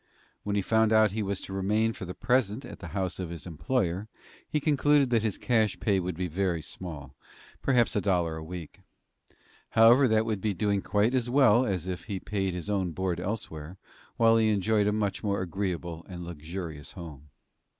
When he found that he was to remain for the present at the house of his employer he concluded that his cash pay would be very small, perhaps a dollar a week. However, that would be doing quite as well as if he paid his own board elsewhere, while he enjoyed a much more agreeable and luxurious home.